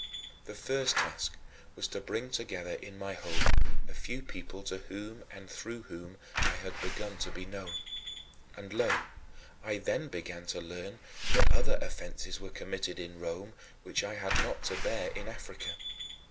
The first task was to bring together in my home a few people to whom and through whom I had begun to be known. And lo, I then began to learn that other offenses were committed in Rome which I had not had to bear in Africa.